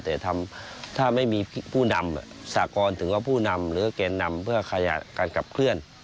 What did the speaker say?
แต่ถ้าไม่มีผู้นำสากรถือว่าผู้นำหรือแกนนำเพื่อการขับเคลื่อน